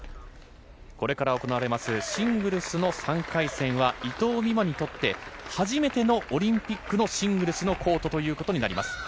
これから行われるシングルスの３回戦は伊藤美誠にとって初めてのオリンピックのシングルスのコートとなります。